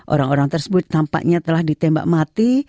orang orang tersebut tampaknya telah ditembak mati